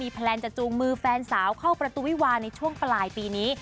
แพลนจะจูงมือแฟนสาวเข้าประตูวิวาในช่วงปลายปีนี้